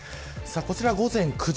こちら午前９時。